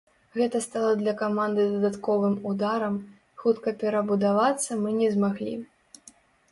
Гэта стала для каманды дадатковым ударам, хутка перабудавацца мы не змаглі.